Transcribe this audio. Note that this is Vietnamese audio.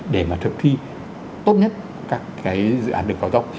để mà thực thi tốt nhất các cái dự án đường cao tốc